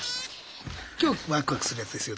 今日ワクワクするやつですよ